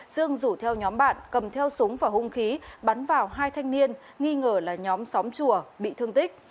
dương rủ theo nhóm bạn cầm theo súng và hung khí bắn vào hai thanh niên nghi ngờ là nhóm xóm chùa bị thương tích